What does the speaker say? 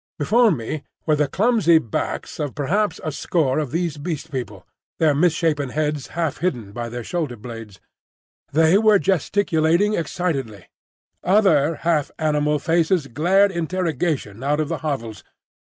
Before me were the clumsy backs of perhaps a score of these Beast People, their misshapen heads half hidden by their shoulder blades. They were gesticulating excitedly. Other half animal faces glared interrogation out of the hovels.